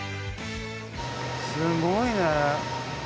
すごいね。